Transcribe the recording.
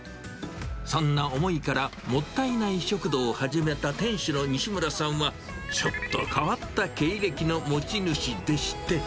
そんな思いから、もったいない食堂を始めた店主の西村さんは、ちょっと変わった経歴の持ち主でして。